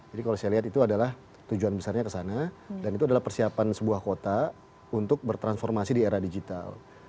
jadi kalau saya lihat itu adalah tujuan besarnya ke sana dan itu adalah persiapan sebuah kota untuk bertransformasi di era digital